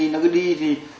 nó cứ đi thì